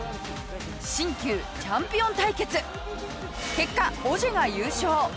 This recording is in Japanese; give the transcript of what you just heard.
結果オジェが優勝。